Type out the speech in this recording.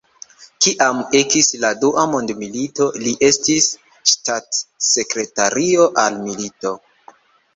Kiam ekis la Dua mondmilito li estis ŝtatsekretario al milito.